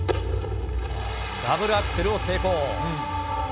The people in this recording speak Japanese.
ダブルアクセルを成功。